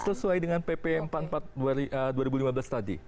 sesuai dengan pp empat puluh empat dua ribu lima belas tadi